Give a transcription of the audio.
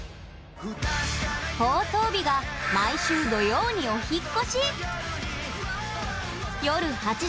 放送日が毎週土曜にお引っ越し。